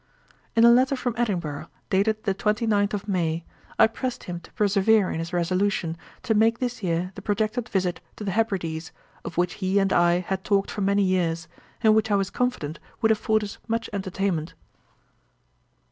In a letter from Edinburgh, dated the 29th of May, I pressed him to persevere in his resolution to make this year the projected visit to the Hebrides, of which he and I had talked for many years, and which I was confident would afford us much entertainment.